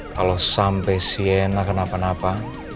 kalau sampai siena kenapa napa